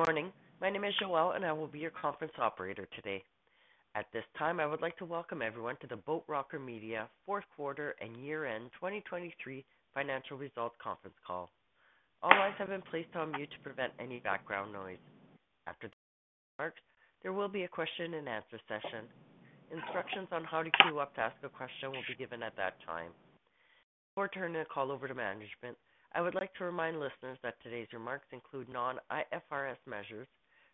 Good morning. My name is Joelle, and I will be your conference operator today. At this time, I would like to welcome everyone to the Boat Rocker Media fourth quarter and year-end 2023 financial results conference call. All lines have been placed on mute to prevent any background noise. After the remarks, there will be a question-and-answer session. Instructions on how to queue up to ask a question will be given at that time. Before turning the call over to management, I would like to remind listeners that today's remarks include non-IFRS measures.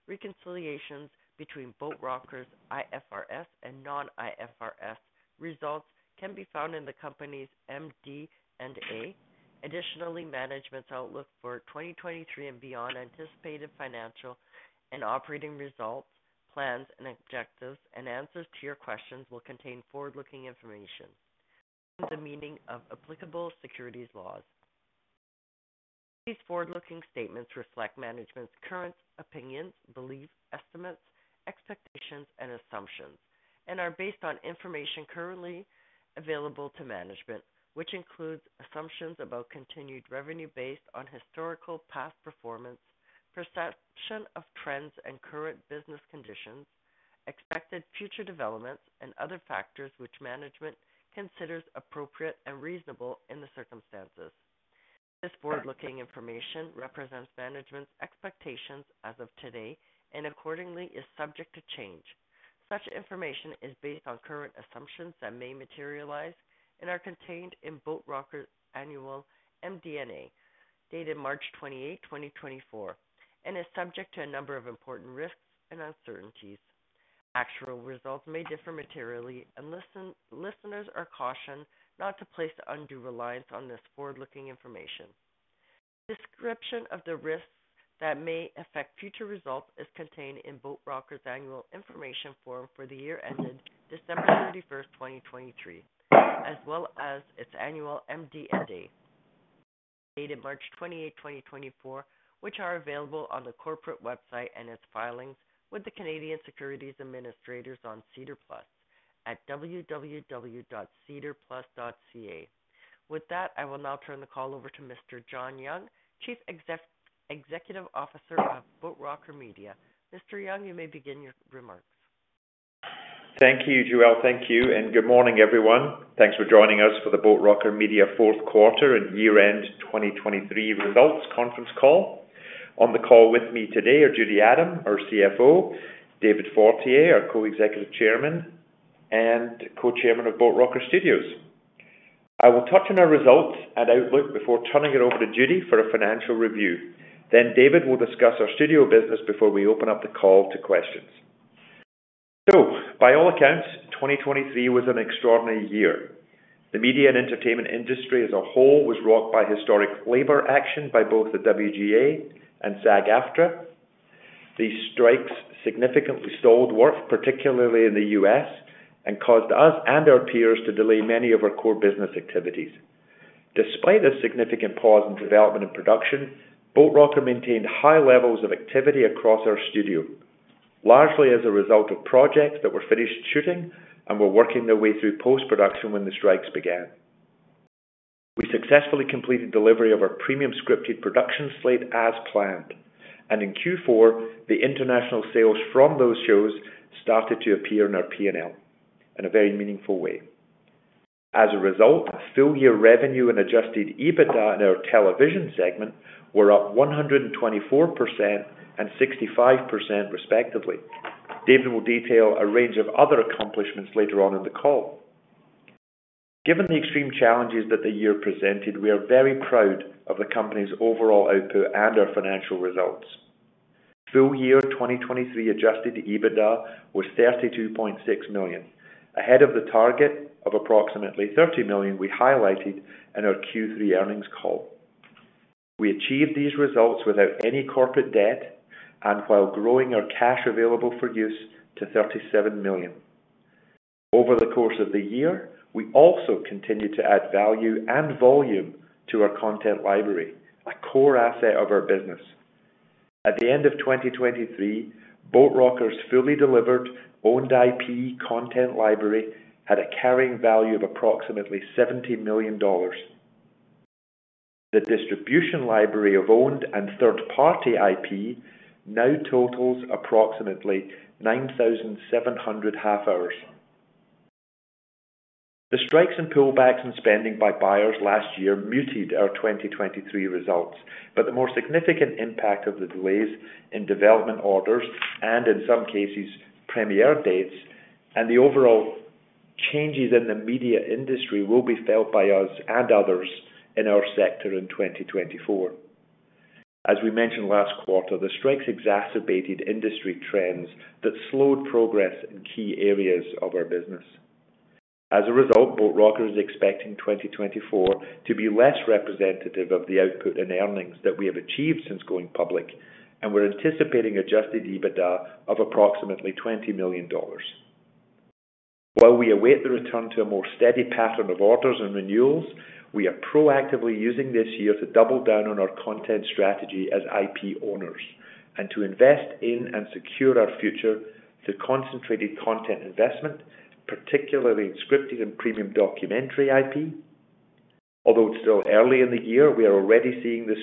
Reconciliations between Boat Rocker's IFRS and non-IFRS results can be found in the company's MD&A. Additionally, management's outlook for 2023 and beyond anticipated financial and operating results, plans, and objectives, and answers to your questions will contain forward-looking information. The meaning of applicable securities laws. These forward-looking statements reflect management's current opinions, beliefs, estimates, expectations, and assumptions, and are based on information currently available to management, which includes assumptions about continued revenue based on historical past performance, perception of trends and current business conditions, expected future developments, and other factors which management considers appropriate and reasonable in the circumstances. This forward-looking information represents management's expectations as of today and accordingly is subject to change. Such information is based on current assumptions that may materialize and are contained in Boat Rocker's annual MD&A, dated March 28, 2024, and is subject to a number of important risks and uncertainties. Actual results may differ materially, and listeners are cautioned not to place undue reliance on this forward-looking information. Description of the risks that may affect future results is contained in Boat Rocker's annual information form for the year ended December 31, 2023, as well as its annual MD&A, dated March 28, 2024, which are available on the corporate website and its filings with the Canadian Securities Administrators on SEDAR+ at www.sedarplus.ca. With that, I will now turn the call over to Mr. John Young, Chief Executive Officer of Boat Rocker Media. Mr. Young, you may begin your remarks. Thank you, Joelle. Thank you. And good morning, everyone. Thanks for joining us for the Boat Rocker Media fourth quarter and year-end 2023 results conference call. On the call with me today are Judy Adam, our CFO, David Fortier, our Co-Executive Chairman and Co-Chairman of Boat Rocker Studios. I will touch on our results and outlook before turning it over to Judy for a financial review. Then David will discuss our studio business before we open up the call to questions. So, by all accounts, 2023 was an extraordinary year. The media and entertainment industry as a whole was rocked by historic labor action by both the WGA and SAG-AFTRA. The strikes significantly stalled work, particularly in the U.S., and caused us and our peers to delay many of our core business activities. Despite a significant pause in development and production, Boat Rocker maintained high levels of activity across our studio, largely as a result of projects that were finished shooting and were working their way through post-production when the strikes began. We successfully completed delivery of our premium scripted production slate as planned, and in Q4, the international sales from those shows started to appear in our P&L in a very meaningful way. As a result, full-year revenue and adjusted EBITDA in our television segment were up 124% and 65%, respectively. David will detail a range of other accomplishments later on in the call. Given the extreme challenges that the year presented, we are very proud of the company's overall output and our financial results. Full-year 2023 adjusted EBITDA was 32.6 million, ahead of the target of approximately 30 million we highlighted in our Q3 earnings call. We achieved these results without any corporate debt and while growing our cash available for use to 37 million. Over the course of the year, we also continued to add value and volume to our content library, a core asset of our business. At the end of 2023, Boat Rocker's fully delivered owned IP content library had a carrying value of approximately 70 million dollars. The distribution library of owned and third-party IP now totals approximately 9,700 half-hours. The strikes and pullbacks in spending by buyers last year muted our 2023 results, but the more significant impact of the delays in development orders and, in some cases, premiere dates and the overall changes in the media industry will be felt by us and others in our sector in 2024. As we mentioned last quarter, the strikes exacerbated industry trends that slowed progress in key areas of our business. As a result, Boat Rocker is expecting 2024 to be less representative of the output and earnings that we have achieved since going public, and we're anticipating adjusted EBITDA of approximately 20 million dollars. While we await the return to a more steady pattern of orders and renewals, we are proactively using this year to double down on our content strategy as IP owners and to invest in and secure our future through concentrated content investment, particularly in scripted and premium documentary IP. Although it's still early in the year, we are already seeing the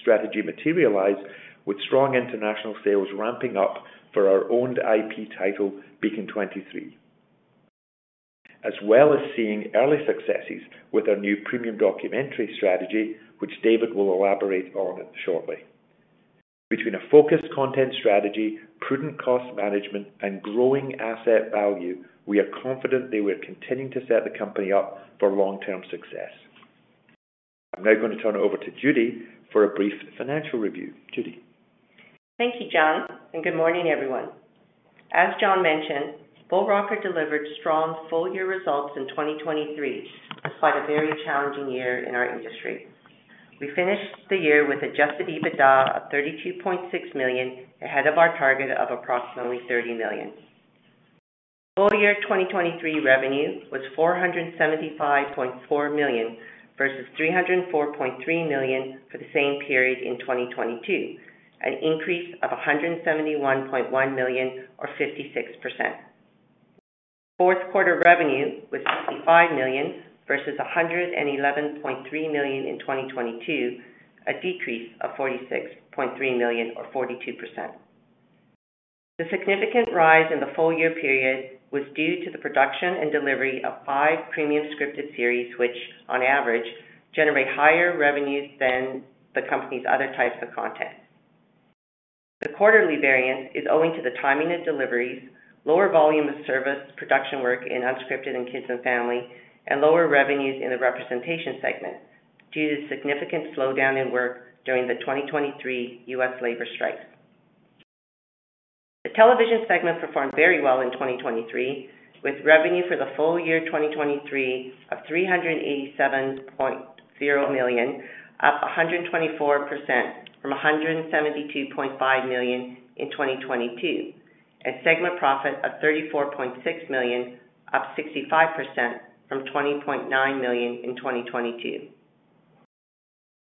strategy materialize with strong international sales ramping up for our owned IP title Beacon 23, as well as seeing early successes with our new premium documentary strategy, which David will elaborate on shortly. Between a focused content strategy, prudent cost management, and growing asset value, we are confident they will continue to set the company up for long-term success. I'm now going to turn it over to Judy for a brief financial review. Judy. Thank you, John, and good morning, everyone. As John mentioned, Boat Rocker delivered strong full-year results in 2023 despite a very challenging year in our industry. We finished the year with adjusted EBITDA of CAD 32.6 million ahead of our target of approximately CAD 30 million. Full-year 2023 revenue was CAD 475.4 million versus CAD 304.3 million for the same period in 2022, an increase of CAD 171.1 million or 56%. Fourth quarter revenue was CAD 65 million versus 111.3 million in 2022, a decrease of 46.3 million or 42%. The significant rise in the full-year period was due to the production and delivery of five premium scripted series, which, on average, generate higher revenues than the company's other types of content. The quarterly variance is owing to the timing of deliveries, lower volume of service production work in unscripted and kids and family, and lower revenues in the representation segment due to significant slowdown in work during the 2023 U.S. labor strikes. The television segment performed very well in 2023, with revenue for the full year 2023 of 387.0 million, up 124% from 172.5 million in 2022, and segment profit of 34.6 million, up 65% from 20.9 million in 2022.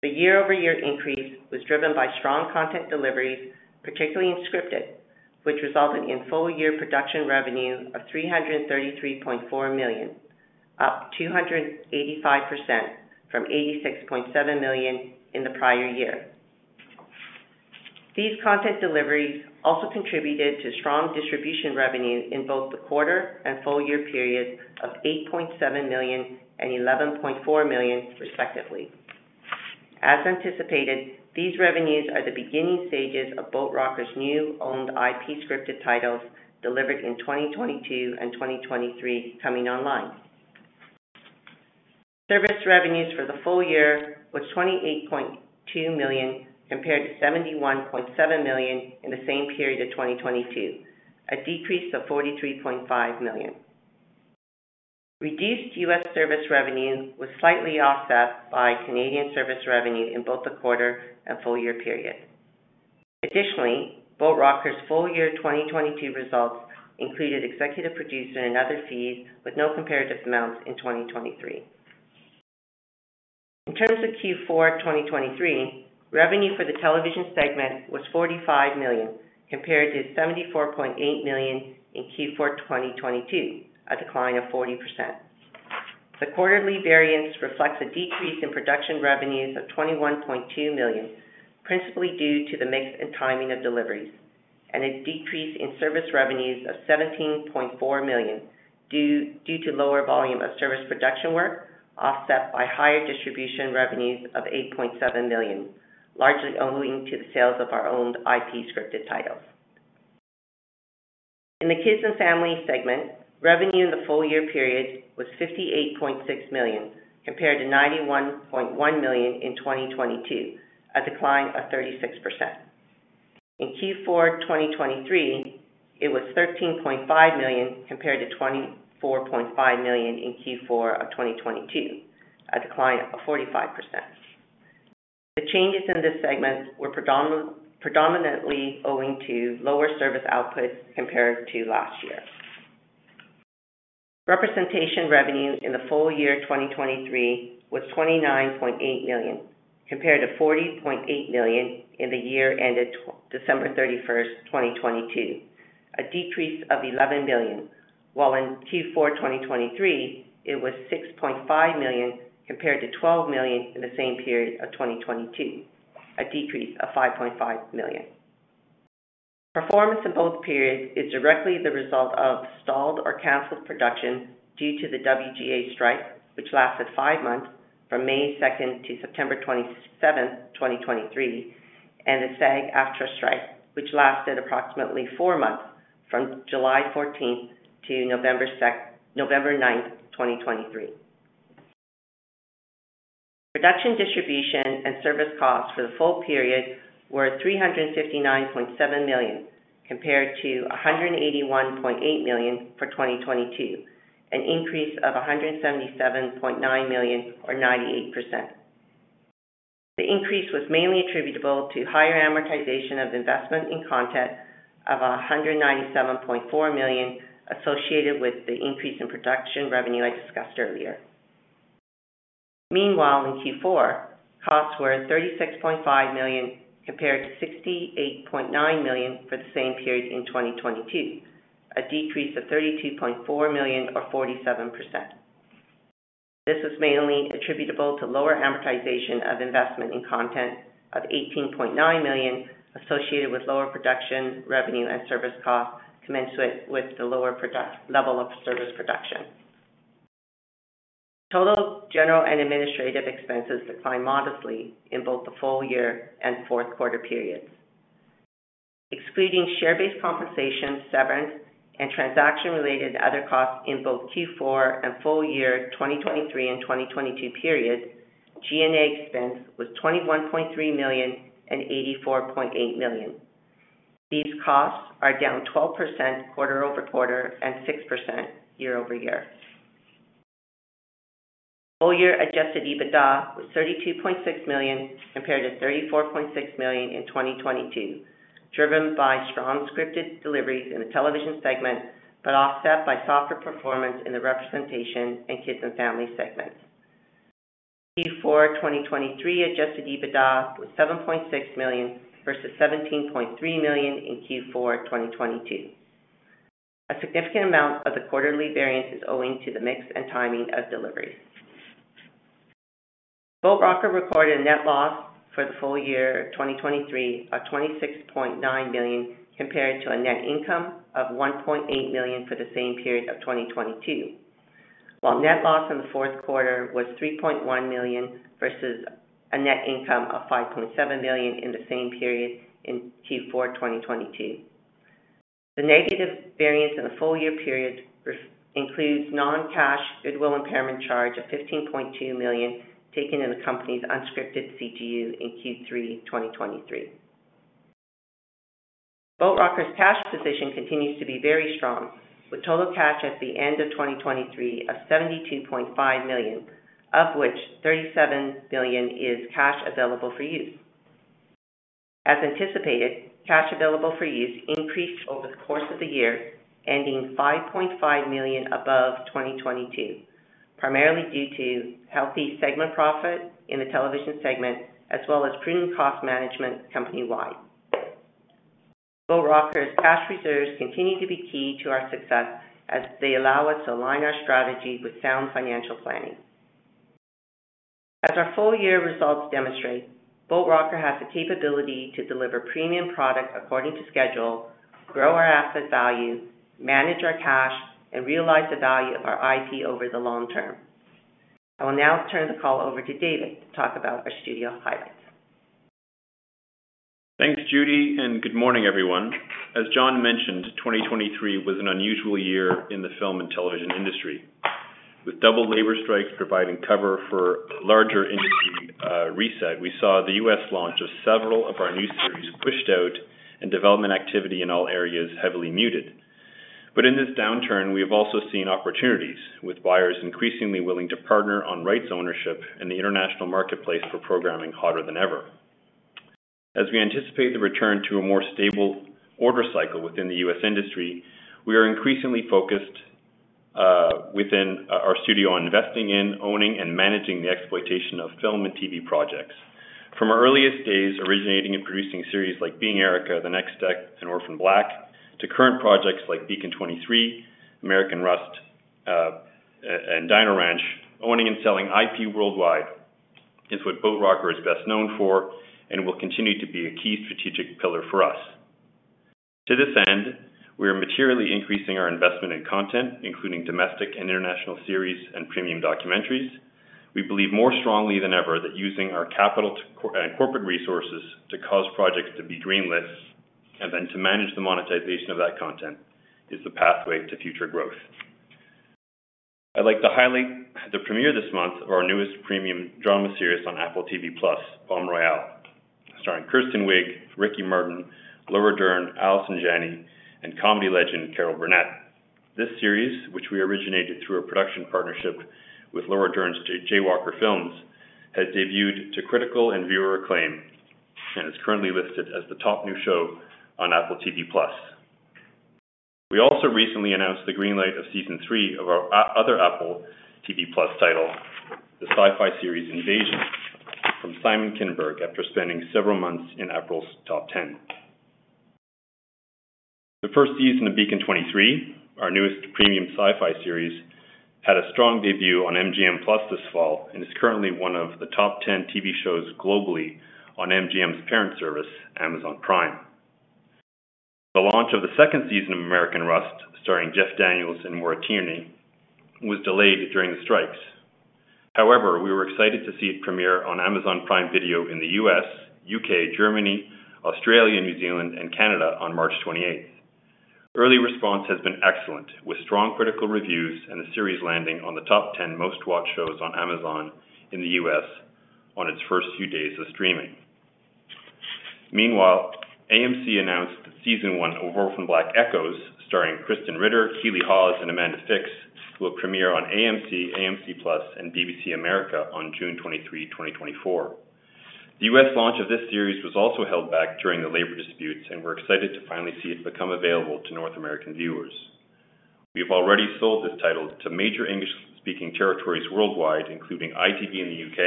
The year-over-year increase was driven by strong content deliveries, particularly in scripted, which resulted in full-year production revenue of 333.4 million, up 285% from 86.7 million in the prior year. These content deliveries also contributed to strong distribution revenue in both the quarter and full-year periods of 8.7 million and 11.4 million, respectively. As anticipated, these revenues are the beginning stages of Boat Rocker's new owned IP scripted titles delivered in 2022 and 2023 coming online. Service revenues for the full year was 28.2 million compared to 71.7 million in the same period of 2022, a decrease of 43.5 million. Reduced U.S. service revenue was slightly offset by Canadian service revenue in both the quarter and full-year period. Additionally, Boat Rocker's full-year 2022 results included executive producer and other fees with no comparative amounts in 2023. In terms of Q4 2023, revenue for the television segment was CAD 45 million compared to CAD 74.8 million in Q4 2022, a decline of 40%. The quarterly variance reflects a decrease in production revenues of 21.2 million, principally due to the mix and timing of deliveries, and a decrease in service revenues of 17.4 million due to lower volume of service production work offset by higher distribution revenues of 8.7 million, largely owing to the sales of our owned IP scripted titles. In the kids and family segment, revenue in the full-year period was CAD 58.6 million compared to CAD 91.1 million in 2022, a decline of 36%. In Q4 2023, it was CAD 13.5 million compared to CAD 24.5 million in Q4 of 2022, a decline of 45%. The changes in this segment were predominantly owing to lower service outputs compared to last year. Representation revenue in the full year 2023 was 29.8 million compared to 40.8 million in the year ended December 31, 2022, a decrease of 11 million, while in Q4 2023, it was 6.5 million compared to 12 million in the same period of 2022, a decrease of 5.5 million. Performance in both periods is directly the result of stalled or cancelled production due to the WGA strike, which lasted five months from May 2nd to September 27th, 2023, and the SAG-AFTRA strike, which lasted approximately four months from July 14th to November 9th, 2023. Production distribution and service costs for the full period were CAD 359.7 million compared to CAD 181.8 million for 2022, an increase of CAD 177.9 million or 98%. The increase was mainly attributable to higher amortization of investment in content of 197.4 million associated with the increase in production revenue I discussed earlier. Meanwhile, in Q4, costs were 36.5 million compared to 68.9 million for the same period in 2022, a decrease of 32.4 million or 47%. This was mainly attributable to lower amortization of investment in content of 18.9 million associated with lower production revenue and service costs commensurate with the lower level of service production. Total general and administrative expenses declined modestly in both the full year and fourth quarter periods. Excluding share-based compensation, severance, and transaction-related other costs in both Q4 and full year 2023 and 2022 periods, G&A expense was CAD 21.3 million and CAD 84.8 million. These costs are down 12% quarter-over-quarter and 6% year-over-year. Full-year adjusted EBITDA was CAD 32.6 million compared to CAD 34.6 million in 2022, driven by strong scripted deliveries in the television segment but offset by softer performance in the representation and kids and family segments. Q4 2023 adjusted EBITDA was 7.6 million versus 17.3 million in Q4 2022. A significant amount of the quarterly variance is owing to the mix and timing of deliveries. Boat Rocker recorded a net loss for the full year 2023 of 26.9 million compared to a net income of 1.8 million for the same period of 2022, while net loss in the fourth quarter was 3.1 million versus a net income of 5.7 million in the same period in Q4 2022. The negative variance in the full year period includes non-cash goodwill impairment charge of 15.2 million taken in the company's unscripted CGU in Q3 2023. Boat Rocker's cash position continues to be very strong, with total cash at the end of 2023 of 72.5 million, of which 37 million is cash available for use. As anticipated, cash available for use increased over the course of the year, ending 5.5 million above 2022, primarily due to healthy segment profit in the television segment as well as prudent cost management company-wide. Boat Rocker's cash reserves continue to be key to our success as they allow us to align our strategy with sound financial planning. As our full year results demonstrate, Boat Rocker has the capability to deliver premium product according to schedule, grow our asset value, manage our cash, and realize the value of our IP over the long term. I will now turn the call over to David to talk about our studio highlights. Thanks, Judy, and good morning, everyone. As John mentioned, 2023 was an unusual year in the film and television industry. With double labor strikes providing cover for larger industry reset, we saw the U.S. launch of several of our new series pushed out and development activity in all areas heavily muted. But in this downturn, we have also seen opportunities with buyers increasingly willing to partner on rights ownership and the international marketplace for programming hotter than ever. As we anticipate the return to a more stable order cycle within the U.S. industry, we are increasingly focused within our studio on investing in, owning, and managing the exploitation of film and TV projects. From our earliest days originating and producing series like Being Erica, The Next Step, and Orphan Black to current projects like Beacon 23, American Rust, and Dino Ranch, owning and selling IP worldwide is what Boat Rocker is best known for and will continue to be a key strategic pillar for us. To this end, we are materially increasing our investment in content, including domestic and international series and premium documentaries. We believe more strongly than ever that using our capital and corporate resources to cause projects to be greenlit and then to manage the monetization of that content is the pathway to future growth. I'd like to highlight the premiere this month of our newest premium drama series on Apple TV+, Palm Royale, starring Kristen Wiig, Ricky Martin, Laura Dern, Allison Janney, and comedy legend, Carol Burnett. This series, which we originated through a production partnership with Laura Dern's Jaywalker Pictures, has debuted to critical and viewer acclaim and is currently listed as the top new show on Apple TV+. We also recently announced the greenlight of season three of our other Apple TV+ title, the sci-fi series Invasion, from Simon Kinberg after spending several months in Apple's top 10. The first season of Beacon 23, our newest premium sci-fi series, had a strong debut on MGM+ this fall and is currently one of the top 10 TV shows globally on MGM's parent service, Amazon Prime. The launch of the second season of American Rust, starring Jeff Daniels and Maura Tierney, was delayed during the strikes. However, we were excited to see it premiere on Amazon Prime Video in the U.S., U.K., Germany, Australia, New Zealand, and Canada on March 28th. Early response has been excellent, with strong critical reviews and the series landing on the top 10 most-watched shows on Amazon in the U.S. on its first few days of streaming. Meanwhile, AMC announced that season one of Orphan Black Echoes, starring Krysten Ritter, Keeley Hawes, and Amanda Fix, will premiere on AMC, AMC+, and BBC America on June 23, 2024. The U.S. launch of this series was also held back during the labor disputes, and we're excited to finally see it become available to North American viewers. We have already sold this title to major English-speaking territories worldwide, including ITV in the U.K.,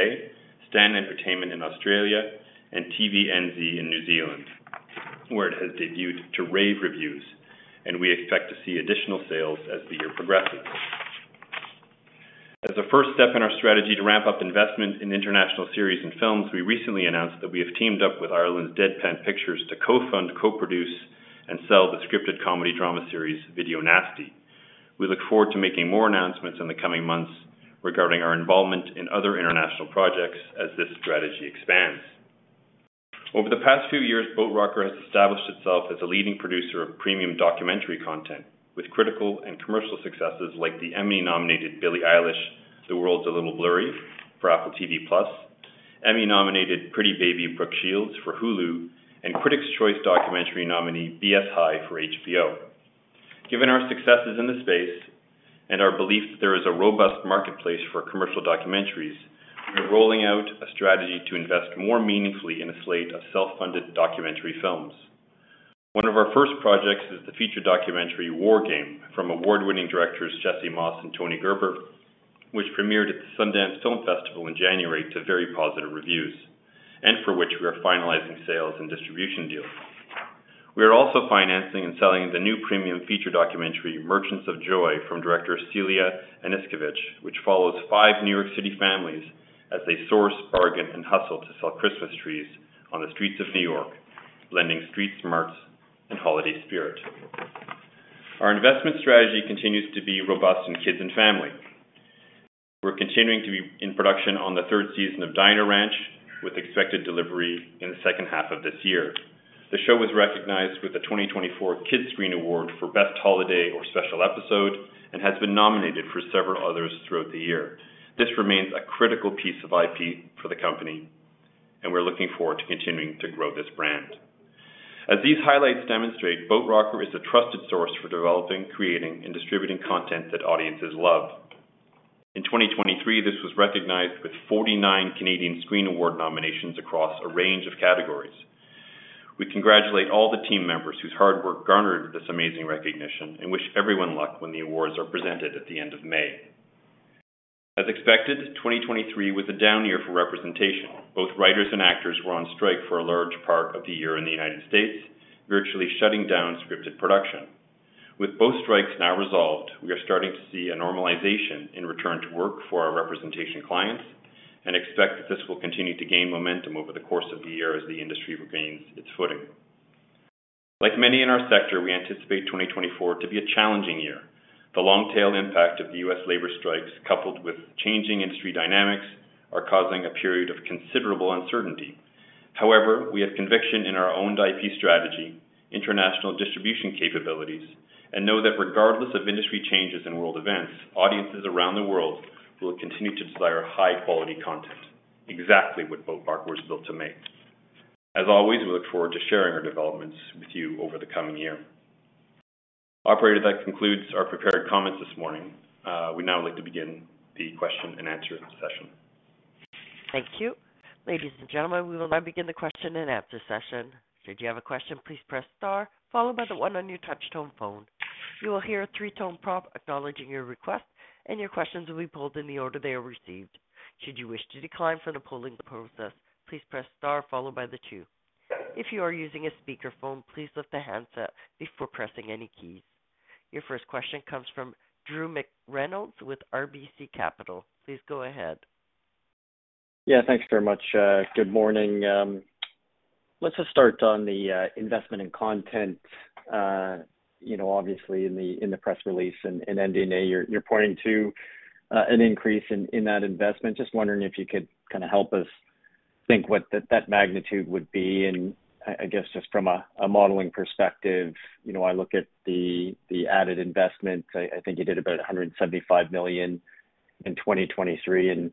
Stan in Australia, and TVNZ in New Zealand, where it has debuted to rave reviews, and we expect to see additional sales as the year progresses. As a first step in our strategy to ramp up investment in international series and films, we recently announced that we have teamed up with Ireland's Deadpan Pictures to co-fund, co-produce, and sell the scripted comedy drama series Video Nasty. We look forward to making more announcements in the coming months regarding our involvement in other international projects as this strategy expands. Over the past few years, Boat Rocker has established itself as a leading producer of premium documentary content, with critical and commercial successes like the Emmy-nominated Billie Eilish: The World's a Little Blurry for Apple TV+, Emmy-nominated Pretty Baby: Brooke Shields for Hulu, and Critics' Choice documentary nominee BS High for HBO. Given our successes in the space and our belief that there is a robust marketplace for commercial documentaries, we are rolling out a strategy to invest more meaningfully in a slate of self-funded documentary films. One of our first projects is the feature documentary War Game from award-winning directors Jesse Moss and Tony Gerber, which premiered at the Sundance Film Festival in January to very positive reviews and for which we are finalizing sales and distribution deals. We are also financing and selling the new premium feature documentary Merchants of Joy from director Celia Aniskovich, which follows five New York City families as they source, bargain, and hustle to sell Christmas trees on the streets of New York, lending street smarts and holiday spirit. Our investment strategy continues to be robust in kids and family. We're continuing to be in production on the third season of Dino Ranch, with expected delivery in the second half of this year. The show was recognized with a 2024 Kidscreen Award for Best Holiday or Special Episode and has been nominated for several others throughout the year. This remains a critical piece of IP for the company, and we're looking forward to continuing to grow this brand. As these highlights demonstrate, Boat Rocker is a trusted source for developing, creating, and distributing content that audiences love. In 2023, this was recognized with 49 Canadian Screen Award nominations across a range of categories. We congratulate all the team members whose hard work garnered this amazing recognition and wish everyone luck when the awards are presented at the end of May. As expected, 2023 was a down year for representation. Both writers and actors were on strike for a large part of the year in the United States, virtually shutting down scripted production. With both strikes now resolved, we are starting to see a normalization in return to work for our representation clients and expect that this will continue to gain momentum over the course of the year as the industry regains its footing. Like many in our sector, we anticipate 2024 to be a challenging year. The long-tail impact of the U.S. labor strikes, coupled with changing industry dynamics, are causing a period of considerable uncertainty. However, we have conviction in our own IP strategy, international distribution capabilities, and know that regardless of industry changes and world events, audiences around the world will continue to desire high-quality content, exactly what Boat Rocker was built to make. As always, we look forward to sharing our developments with you over the coming year. Operator, that concludes our prepared comments this morning. We now would like to begin the question and answer session. Thank you. Ladies and gentlemen, we will now begin the question and answer session. Should you have a question, please press star, followed by the one on your touch-tone phone. You will hear a three-tone prompt acknowledging your request, and your questions will be pulled in the order they are received. Should you wish to decline from the polling process, please press star, followed by the two. If you are using a speakerphone, please lift the handset before pressing any keys. Your first question comes from Drew McReynolds with RBC Capital. Please go ahead. Yeah, thanks very much. Good morning. Let's just start on the investment in content, obviously, in the press release and MD&A. You're pointing to an increase in that investment. Just wondering if you could kind of help us think what that magnitude would be. And I guess just from a modeling perspective, I look at the added investment. I think you did about 175 million in 2023 and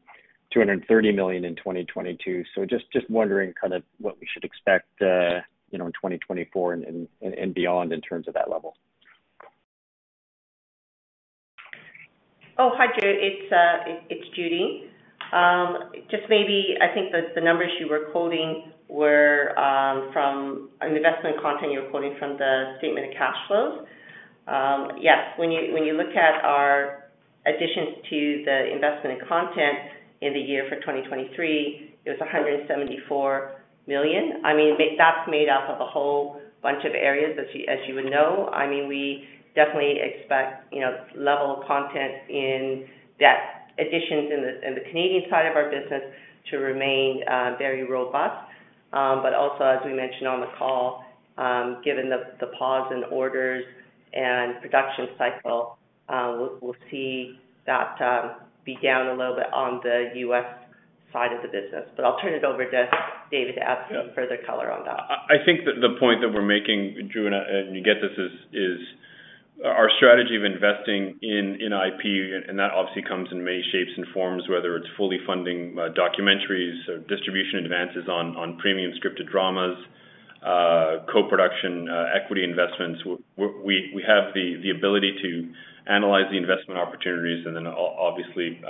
230 million in 2022. So just wondering kind of what we should expect in 2024 and beyond in terms of that level? Oh, hi, Drew. It's Judy. Just maybe I think the numbers you were quoting were from an investment in content you were quoting from the statement of cash flows. Yes, when you look at our additions to the investment in content in the year for 2023, it was 174 million. I mean, that's made up of a whole bunch of areas, as you would know. I mean, we definitely expect level content in that additions in the Canadian side of our business to remain very robust. But also, as we mentioned on the call, given the pause in orders and production cycle, we'll see that be down a little bit on the U.S. side of the business. But I'll turn it over to David to add some further color on that. I think that the point that we're making, Drew, and you get this, is our strategy of investing in IP, and that obviously comes in many shapes and forms, whether it's fully funding documentaries or distribution advances on premium scripted dramas, co-production equity investments. We have the ability to analyze the investment opportunities and then, obviously,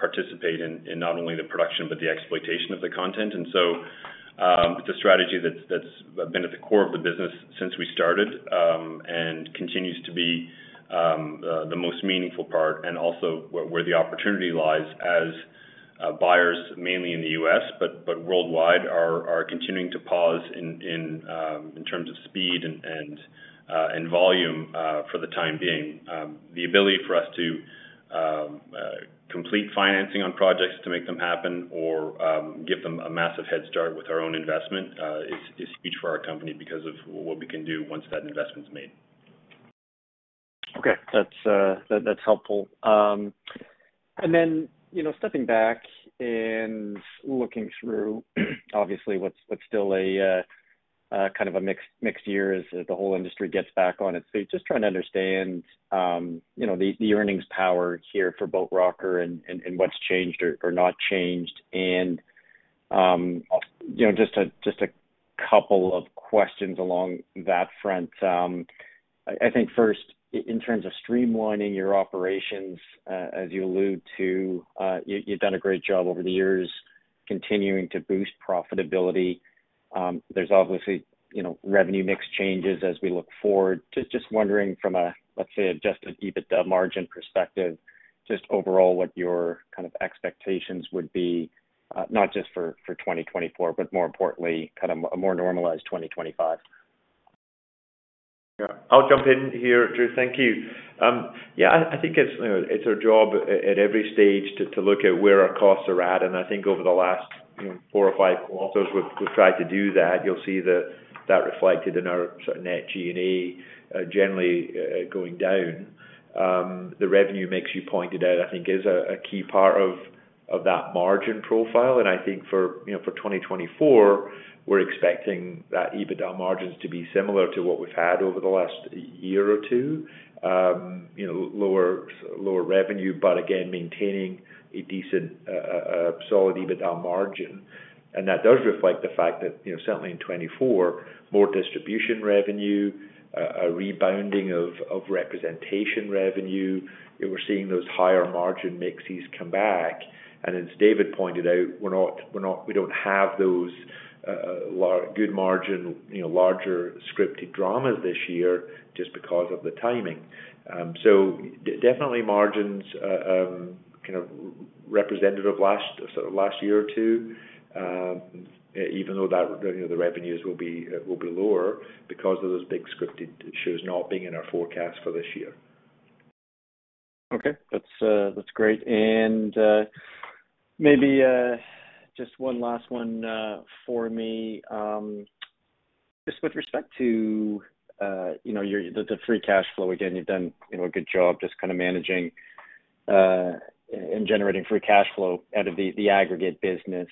participate in not only the production but the exploitation of the content. And so it's a strategy that's been at the core of the business since we started and continues to be the most meaningful part and also where the opportunity lies as buyers, mainly in the U.S. but worldwide, are continuing to pause in terms of speed and volume for the time being. The ability for us to complete financing on projects to make them happen or give them a massive head start with our own investment is huge for our company because of what we can do once that investment's made. Okay. That's helpful. And then stepping back and looking through, obviously, what's still kind of a mixed year as the whole industry gets back on its feet, just trying to understand the earnings power here for Boat Rocker and what's changed or not changed. And just a couple of questions along that front. I think first, in terms of streamlining your operations, as you allude to, you've done a great job over the years continuing to boost profitability. There's obviously revenue mix changes as we look forward. Just wondering from a, let's say, adjusted EBITDA margin perspective, just overall what your kind of expectations would be, not just for 2024 but more importantly, kind of a more normalized 2025? Yeah. I'll jump in here, Drew. Thank you. Yeah, I think it's our job at every stage to look at where our costs are at. And I think over the last four or five quarters, we've tried to do that. You'll see that reflected in our net G&A generally going down. The revenue mix, you pointed out, I think, is a key part of that margin profile. And I think for 2024, we're expecting that EBITDA margins to be similar to what we've had over the last year or two, lower revenue but, again, maintaining a decent, solid EBITDA margin. And that does reflect the fact that, certainly in 2024, more distribution revenue, a rebounding of representation revenue. We're seeing those higher margin mixes come back. And as David pointed out, we don't have those good margin, larger scripted dramas this year just because of the timing. Definitely margins kind of representative of sort of last year or two, even though the revenues will be lower because of those big scripted shows not being in our forecast for this year. Okay. That's great. Maybe just one last one for me. Just with respect to the free cash flow, again, you've done a good job just kind of managing and generating free cash flow out of the aggregate business.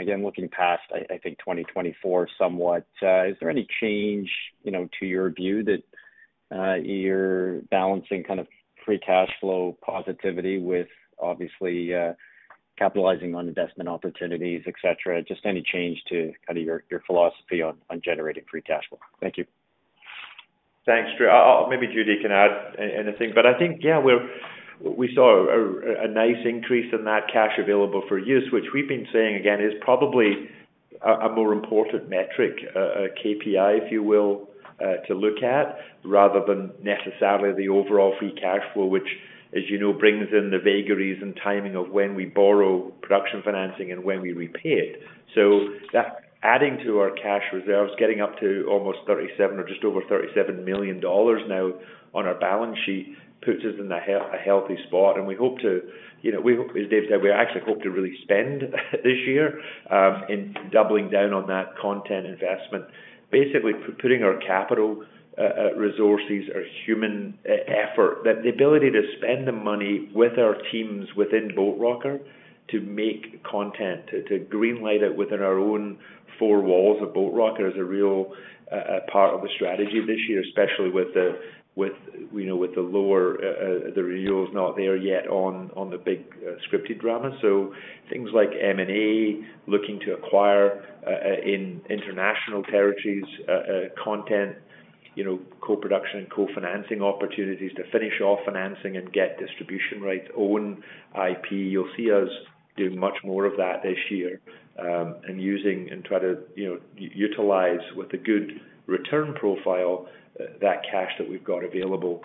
Again, looking past, I think, 2024 somewhat, is there any change, to your view, that you're balancing kind of free cash flow positivity with, obviously, capitalizing on investment opportunities, etc.? Just any change to kind of your philosophy on generating free cash flow? Thank you. Thanks, Drew. Maybe Judy can add anything. But I think, yeah, we saw a nice increase in that cash available for use, which we've been saying, again, is probably a more important metric, a KPI, if you will, to look at rather than necessarily the overall free cash flow, which, as you know, brings in the vagaries and timing of when we borrow production financing and when we repay it. So adding to our cash reserves, getting up to almost 37 million, or just over 37 million dollars now on our balance sheet puts us in a healthy spot. We hope to, as David said, we actually hope to really spend this year in doubling down on that content investment, basically putting our capital resources, our human effort, the ability to spend the money with our teams within Boat Rocker to make content, to greenlight it within our own four walls of Boat Rocker is a real part of the strategy this year, especially with the lower the renewal's not there yet on the big scripted dramas. So things like M&A, looking to acquire in international territories content, co-production and co-financing opportunities to finish off financing and get distribution rights, own IP. You'll see us doing much more of that this year and using and try to utilize with a good return profile that cash that we've got available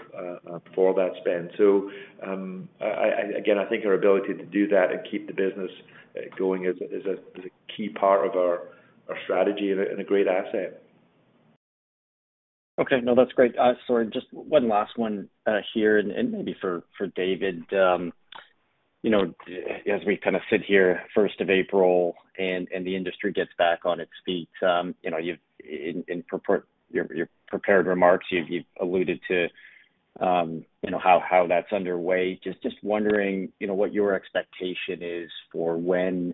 for that spend. So again, I think our ability to do that and keep the business going is a key part of our strategy and a great asset. Okay. No, that's great. Sorry, just one last one here and maybe for David. As we kind of sit here, 1st of April, and the industry gets back on its feet, in your prepared remarks, you've alluded to how that's underway. Just wondering what your expectation is for when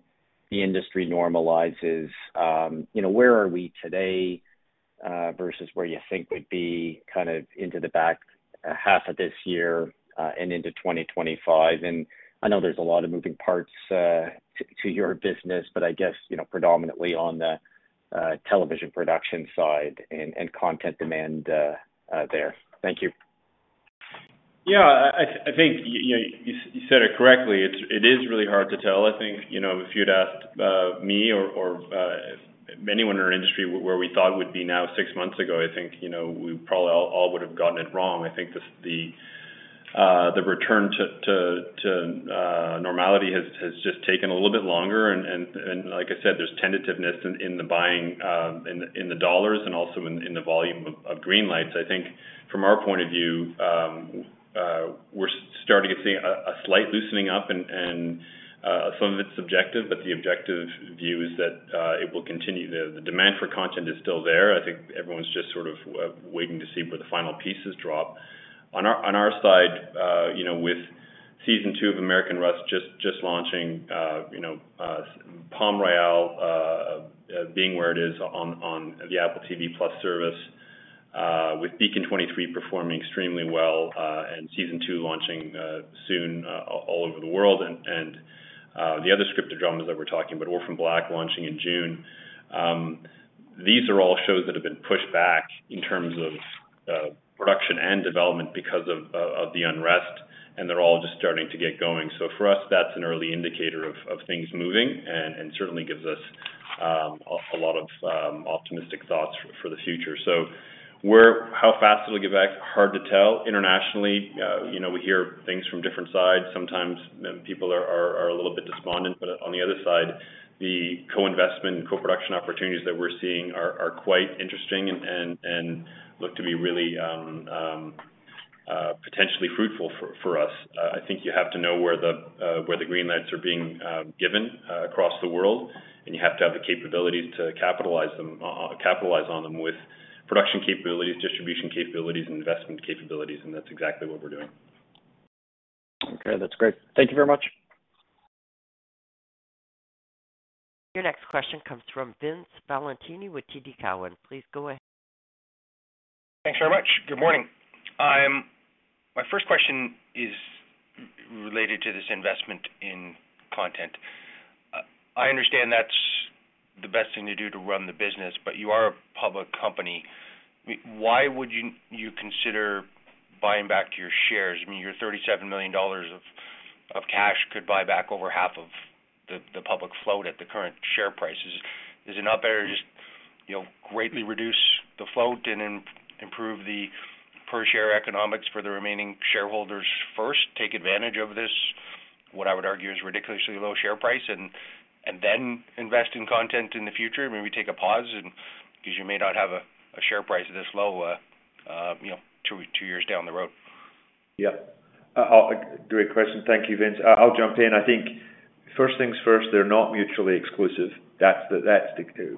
the industry normalizes. Where are we today versus where you think we'd be kind of into the back half of this year and into 2025? And I know there's a lot of moving parts to your business, but I guess predominantly on the television production side and content demand there. Thank you. Yeah, I think you said it correctly. It is really hard to tell. I think if you'd asked me or anyone in our industry where we thought we'd be now six months ago, I think we probably all would have gotten it wrong. I think the return to normality has just taken a little bit longer. Like I said, there's tentativeness in the buying in the dollars and also in the volume of greenlights. I think from our point of view, we're starting to see a slight loosening up. Some of it's subjective, but the objective view is that it will continue. The demand for content is still there. I think everyone's just sort of waiting to see where the final pieces drop. On our side, with season two of American Rust just launching, Palm Royale being where it is on the Apple TV+ service, with Beacon 23 performing extremely well and season two launching soon all over the world, and the other scripted dramas that we're talking, but Orphan Black launching in June, these are all shows that have been pushed back in terms of production and development because of the unrest. And they're all just starting to get going. So for us, that's an early indicator of things moving and certainly gives us a lot of optimistic thoughts for the future. So how fast it'll get back, hard to tell. Internationally, we hear things from different sides. Sometimes people are a little bit despondent. But on the other side, the co-investment and co-production opportunities that we're seeing are quite interesting and look to be really potentially fruitful for us. I think you have to know where the greenlights are being given across the world, and you have to have the capabilities to capitalize on them with production capabilities, distribution capabilities, and investment capabilities. That's exactly what we're doing. Okay. That's great. Thank you very much. Your next question comes from Vince Valentini with TD Cowen. Please go ahead. Thanks very much. Good morning. My first question is related to this investment in content. I understand that's the best thing to do to run the business, but you are a public company. Why would you consider buying back your shares? I mean, your 37 million dollars of cash could buy back over half of the public float at the current share prices. Is it not better to just greatly reduce the float and improve the per-share economics for the remaining shareholders first, take advantage of this, what I would argue is ridiculously low share price, and then invest in content in the future? Maybe take a pause because you may not have a share price this low two years down the road. Yeah. Great question. Thank you, Vince. I'll jump in. I think first things first, they're not mutually exclusive. That's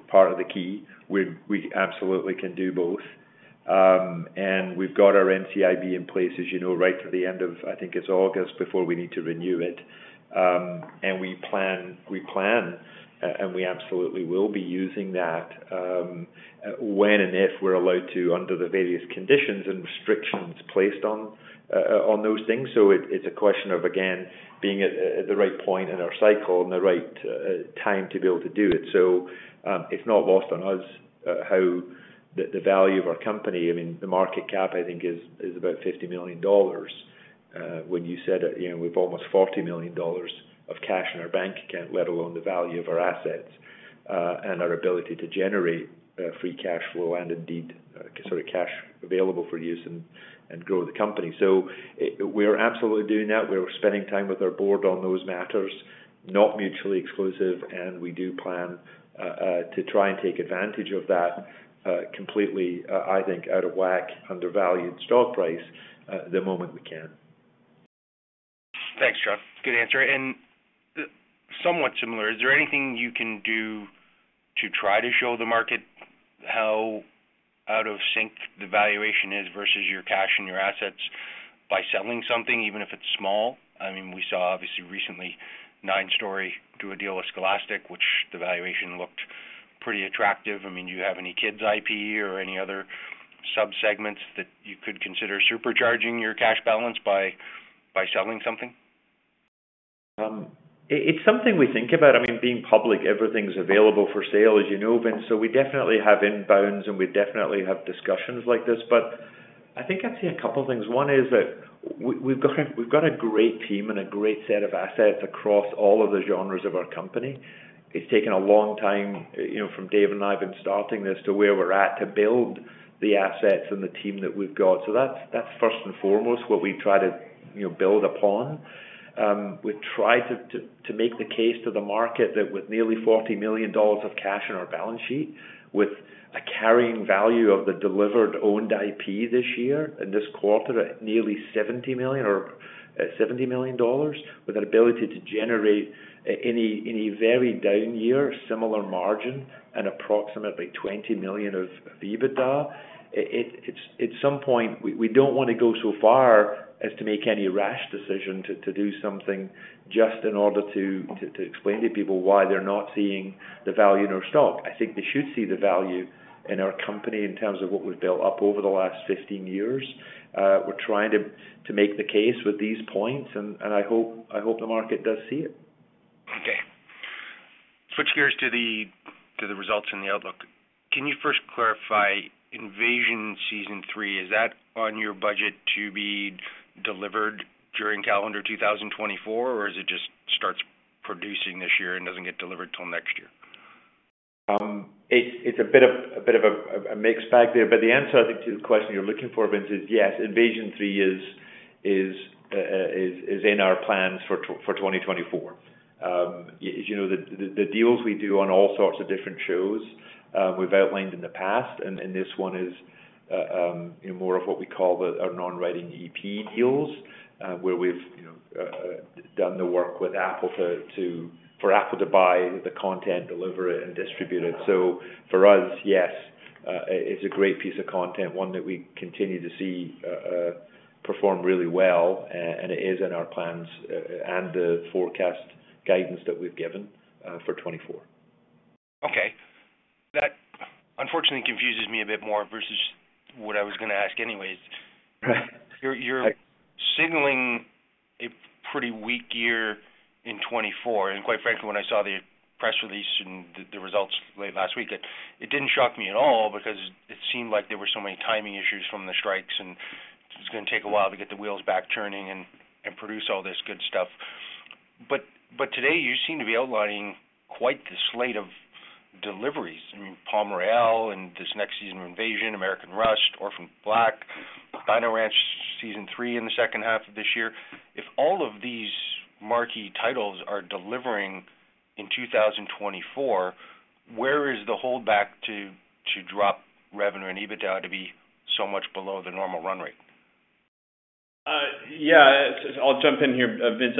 part of the key. We absolutely can do both. And we've got our NCIB in place, as you know, right at the end of, I think, it's August before we need to renew it. And we plan, and we absolutely will be using that when and if we're allowed to, under the various conditions and restrictions placed on those things. So it's a question of, again, being at the right point in our cycle and the right time to be able to do it. So it's not lost on us how the value of our company I mean, the market cap, I think, is about 50 million dollars. When you said we've almost 40 million dollars of cash in our bank account, let alone the value of our assets and our ability to generate free cash flow and indeed sort of cash available for use and grow the company. So we are absolutely doing that. We're spending time with our board on those matters, not mutually exclusive. And we do plan to try and take advantage of that completely, I think, out of whack, undervalued stock price the moment we can. Thanks, John. Good answer. And somewhat similar, is there anything you can do to try to show the market how out of sync the valuation is versus your cash and your assets by selling something, even if it's small? I mean, we saw, obviously, recently, 9 Story do a deal with Scholastic, which the valuation looked pretty attractive. I mean, do you have any kids' IP or any other subsegments that you could consider supercharging your cash balance by selling something? It's something we think about. I mean, being public, everything's available for sale, as you know, Vince. So we definitely have inbounds, and we definitely have discussions like this. But I think I'd say a couple of things. One is that we've got a great team and a great set of assets across all of the genres of our company. It's taken a long time from David and I have been starting this to where we're at to build the assets and the team that we've got. So that's first and foremost what we try to build upon. We've tried to make the case to the market that with nearly 40 million dollars of cash in our balance sheet, with a carrying value of the delivered owned IP this year and this quarter at nearly 70 million with an ability to generate any very down year, similar margin, and approximately 20 million of EBITDA, at some point, we don't want to go so far as to make any rash decision to do something just in order to explain to people why they're not seeing the value in our stock. I think they should see the value in our company in terms of what we've built up over the last 15 years. We're trying to make the case with these points, and I hope the market does see it. Okay. Switch gears to the results and the outlook. Can you first clarify, Invasion season three, is that on your budget to be delivered during calendar 2024, or is it just starts producing this year and doesn't get delivered till next year? It's a bit of a mixed bag there. The answer, I think, to the question you're looking for, Vince, is yes, Invasion three is in our plans for 2024. As you know, the deals we do on all sorts of different shows, we've outlined in the past. This one is more of what we call our non-writing EP deals where we've done the work for Apple to buy the content, deliver it, and distribute it. For us, yes, it's a great piece of content, one that we continue to see perform really well. It is in our plans and the forecast guidance that we've given for 2024. Okay. That, unfortunately, confuses me a bit more versus what I was going to ask anyways. You're signaling a pretty weak year in 2024. Quite frankly, when I saw the press release and the results late last week, it didn't shock me at all because it seemed like there were so many timing issues from the strikes, and it was going to take a while to get the wheels back turning and produce all this good stuff. Today, you seem to be outlining quite the slate of deliveries. I mean, Palm Royale and this next season of Invasion, American Rust, Orphan Black, Dino Ranch season 3 in the second half of this year. If all of these marquee titles are delivering in 2024, where is the holdback to drop revenue and EBITDA to be so much below the normal run rate? Yeah. I'll jump in here, Vince.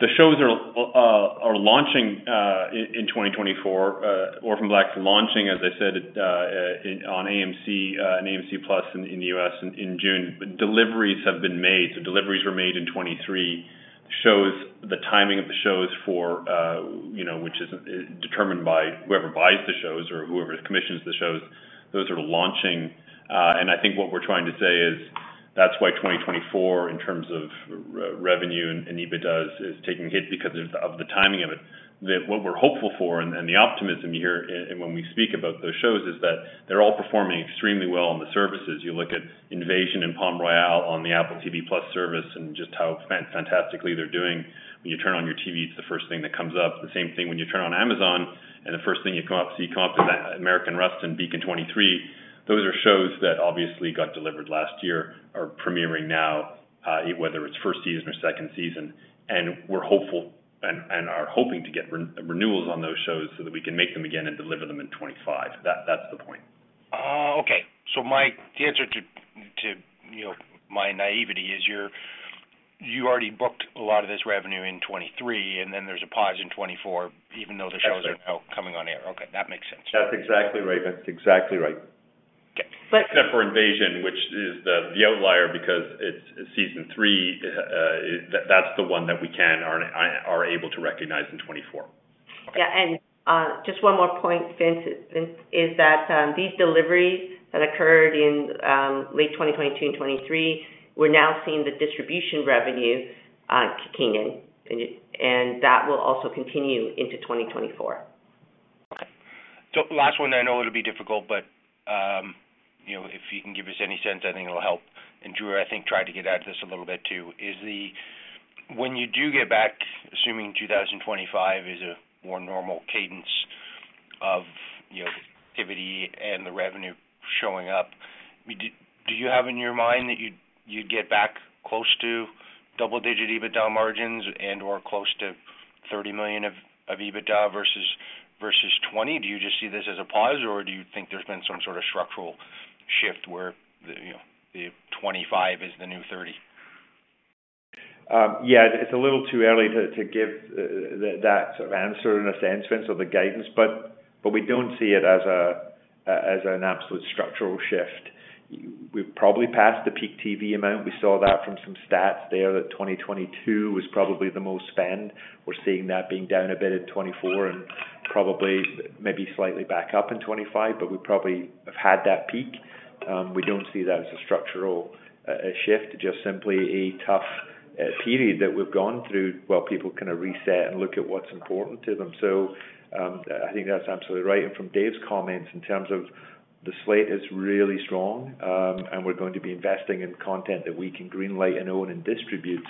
The shows are launching in 2024. Orphan Black's launching, as I said, on AMC and AMC+ in the U.S. in June. But deliveries have been made. So deliveries were made in 2023. The timing of the shows, which is determined by whoever buys the shows or whoever commissions the shows, those are launching. And I think what we're trying to say is that's why 2024, in terms of revenue and EBITDA, is taking hit because of the timing of it. What we're hopeful for and the optimism you hear when we speak about those shows is that they're all performing extremely well on the services. You look at Invasion and Palm Royale on the Apple TV+ service and just how fantastically they're doing. When you turn on your TV, it's the first thing that comes up. The same thing when you turn on Amazon, and the first thing you come up with American Rust and Beacon 23. Those are shows that obviously got delivered last year are premiering now, whether it's first season or second season. And we're hopeful and are hoping to get renewals on those shows so that we can make them again and deliver them in 2025. That's the point. Okay. So the answer to my naivety is you already booked a lot of this revenue in 2023, and then there's a pause in 2024 even though the shows are now coming on air. Okay. That makes sense. That's exactly right, Vince. Exactly right. Except for Invasion, which is the outlier because it's season three. That's the one that we are able to recognize in 2024. Yeah. And just one more point, Vince, is that these deliveries that occurred in late 2022 and 2023, we're now seeing the distribution revenue came in, and that will also continue into 2024. Okay. So last one, I know it'll be difficult, but if you can give us any sense, I think it'll help. And Drew, I think, tried to get at this a little bit too. When you do get back, assuming 2025 is a more normal cadence of activity and the revenue showing up, do you have in your mind that you'd get back close to double-digit EBITDA margins and/or close to 30 million of EBITDA versus 20 million? Do you just see this as a pause, or do you think there's been some sort of structural shift where the 25 million is the new 30 million? Yeah. It's a little too early to give that sort of answer in a sense, Vince, or the guidance. But we don't see it as an absolute structural shift. We've probably passed the peak TV amount. We saw that from some stats there that 2022 was probably the most spent. We're seeing that being down a bit in 2024 and probably maybe slightly back up in 2025. But we probably have had that peak. We don't see that as a structural shift, just simply a tough period that we've gone through while people kind of reset and look at what's important to them. So I think that's absolutely right. And from Dave's comments, in terms of the slate is really strong, and we're going to be investing in content that we can greenlight and own and distribute.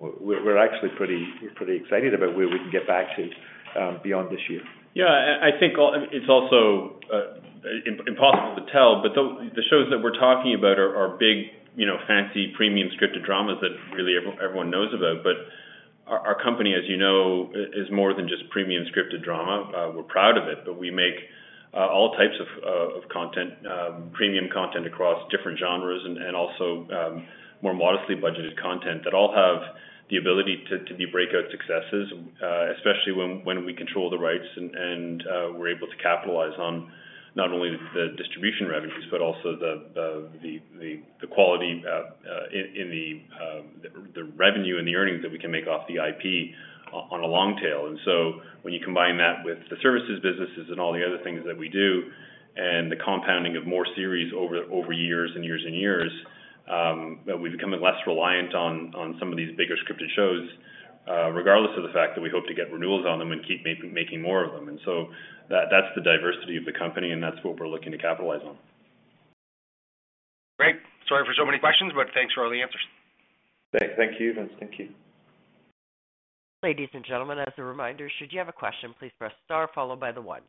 We're actually pretty excited about where we can get back to beyond this year. Yeah. I think it's also impossible to tell, but the shows that we're talking about are big, fancy, premium scripted dramas that really everyone knows about. But our company, as you know, is more than just premium scripted drama. We're proud of it. But we make all types of content, premium content across different genres and also more modestly budgeted content that all have the ability to be breakout successes, especially when we control the rights and we're able to capitalize on not only the distribution revenues but also the quality in the revenue and the earnings that we can make off the IP on a long tail. When you combine that with the services businesses and all the other things that we do and the compounding of more series over years and years and years, we've become less reliant on some of these bigger scripted shows, regardless of the fact that we hope to get renewals on them and keep making more of them. That's the diversity of the company, and that's what we're looking to capitalize on. Great. Sorry for so many questions, but thanks for all the answers. Thank you, Vince. Thank you. Ladies and gentlemen, as a reminder, should you have a question, please press star followed by the one.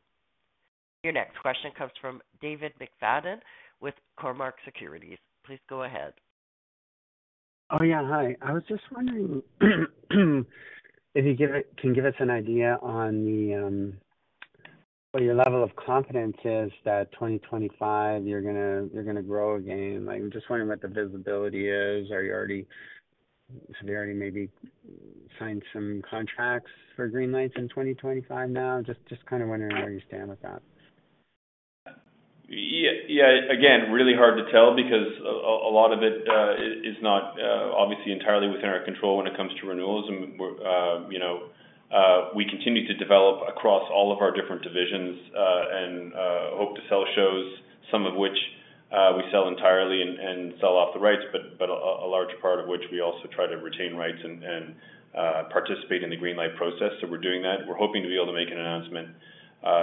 Your next question comes from David McFadgen with Cormark Securities. Please go ahead. Oh, yeah. Hi. I was just wondering if you can give us an idea on what your level of confidence is that 2025, you're going to grow again? I'm just wondering what the visibility is. Have you already maybe signed some contracts for green lights in 2025 now? Just kind of wondering where you stand with that? Yeah. Again, really hard to tell because a lot of it is not obviously entirely within our control when it comes to renewals. And we continue to develop across all of our different divisions and hope to sell shows, some of which we sell entirely and sell off the rights, but a large part of which we also try to retain rights and participate in the greenlight process. So we're doing that. We're hoping to be able to make an announcement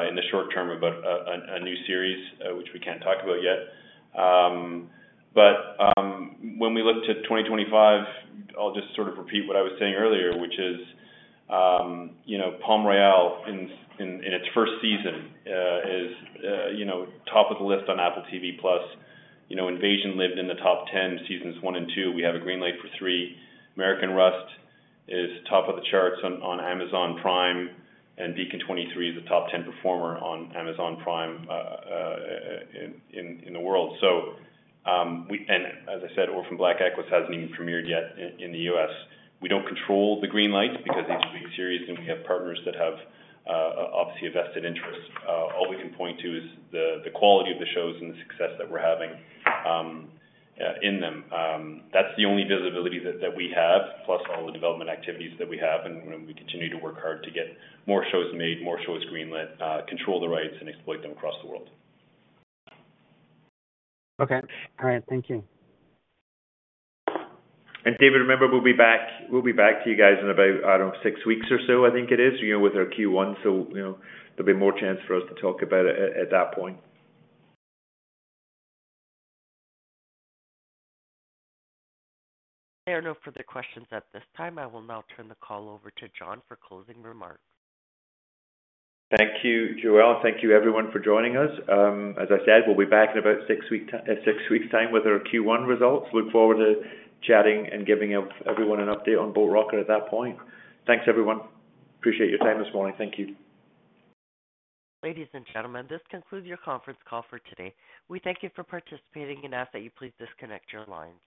in the short term about a new series, which we can't talk about yet. But when we look to 2025, I'll just sort of repeat what I was saying earlier, which is Palm Royale, in its first season, is top of the list on Apple TV+. Invasion lived in the top 10 seasons one and two. We have a greenlight for three. American Rust is top of the charts on Amazon Prime, and Beacon 23 is the top 10 performer on Amazon Prime in the world. As I said, Orphan Black Echoes hasn't even premiered yet in the U.S. We don't control the green lights because these are big series, and we have partners that have, obviously, a vested interest. All we can point to is the quality of the shows and the success that we're having in them. That's the only visibility that we have, plus all the development activities that we have. We continue to work hard to get more shows made, more shows greenlit, control the rights, and exploit them across the world. Okay. All right. Thank you. David, remember, we'll be back to you guys in about, I don't know, six weeks or so, I think it is, with our Q1. There'll be more chance for us to talk about it at that point. There are no further questions at this time. I will now turn the call over to John for closing remarks. Thank you, Joelle. Thank you, everyone, for joining us. As I said, we'll be back in about six weeks' time with our Q1 results. Look forward to chatting and giving everyone an update on Boat Rocker at that point. Thanks, everyone. Appreciate your time this morning. Thank you. Ladies and gentlemen, this concludes your conference call for today. We thank you for participating and ask that you please disconnect your lines.